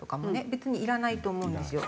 別にいらないと思うんですよ。